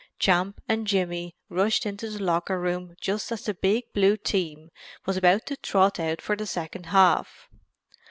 Champ and Jimmy rushed into the locker room just as the big Blue team was about to trot out for the second half.